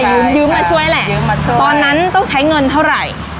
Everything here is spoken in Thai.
ยืมยืมมาช่วยแหละยืมมาช่วยตอนนั้นต้องใช้เงินเท่าไหร่